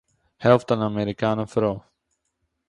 העלפט אַן אַמעריקאַנער פרוי